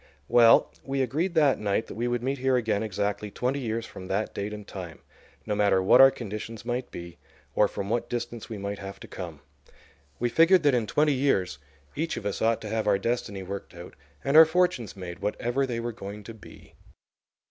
Well, we agreed that night that we would meet here again exactly twenty years from that date and time, no matter what our conditions might be or from what distance we might have to come. We figured that in twenty years each of us ought to have our destiny worked out and our fortunes made, whatever they were going to be."